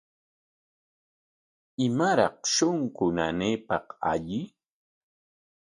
¿Imaraq shunqu nanaypaq alli?